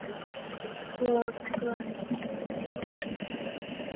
用过一个年号为明启。